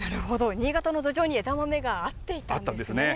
新潟の土壌に枝豆が合っていたということですね。